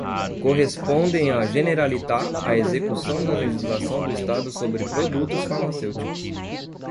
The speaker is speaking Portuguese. Corresponde à Generalitat a execução da legislação do Estado sobre produtos farmacêuticos.